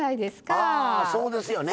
ああそうですよね。